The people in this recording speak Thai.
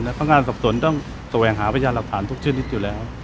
เพราะงานสอบสนต้องตัวเองหาพยานหลักฐานทุกชื่นนิดอยู่แล้ว